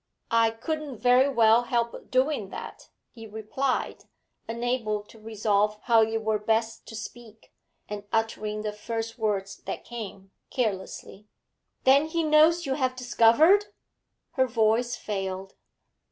'I couldn't very well help doing that,' he replied, unable to resolve how it were best to speak, and uttering the first words that came, carelessly. 'Then he knows you have discovered ' Her voice failed.